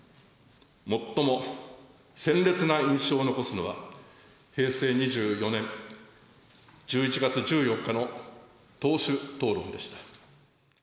最も鮮烈な印象を残すのは、平成２４年１１月１４日の党首討論でした。